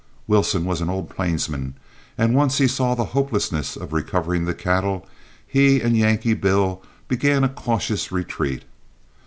Wilson was an old plainsman, and once he saw the hopelessness of recovering the cattle, he and Yankee Bill began a cautious retreat.